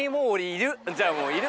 じゃあもういる！